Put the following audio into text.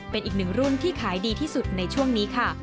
เป็นอีกหนึ่งรุ่นที่ขายดีที่สุดในช่วงนี้ค่ะ